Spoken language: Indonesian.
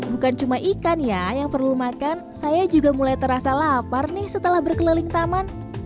bukan cuma ikan ya yang perlu makan saya juga mulai terasa lapar nih setelah berkeliling taman